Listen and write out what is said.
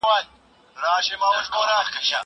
زه بايد بازار ته ولاړ سم!